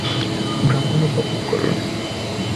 ভ্রমন উপভোগ করুন।